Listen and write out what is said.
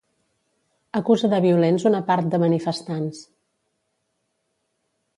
Acusa de violents una part de manifestants.